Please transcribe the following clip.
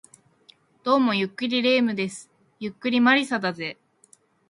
どうも、ゆっくり霊夢です。ゆっくり魔理沙だぜ